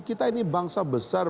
kita ini bangsa besar